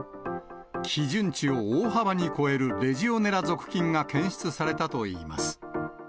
基準値を大幅に超えるレジオネラ属菌が検出されたといいます。